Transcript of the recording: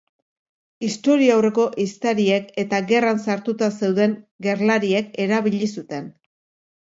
Historiaurreko ehiztariek eta gerran sartuta zeuden gerlariek erabili zuten.